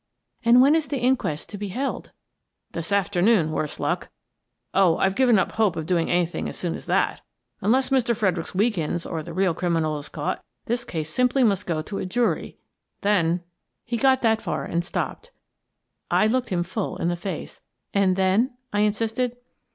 " And when is the inquest to be held ?"" This afternoon, worse luck. Oh, I've given up hope of doing anything as soon as that ! Unless Mr. Fredericks weakens, or the real criminal is caught, this case simply must go to a jury. Then —" He got that far and stopped. I looked him full in the face. "And then?" I insisted.